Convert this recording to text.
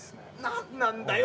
何なんだよ